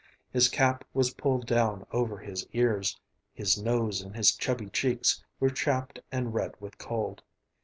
His cap was pulled down over his ears; his nose and his chubby cheeks were chapped and red with cold.